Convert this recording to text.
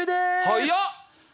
早っ！